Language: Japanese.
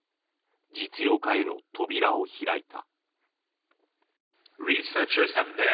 実用化への扉を開いた。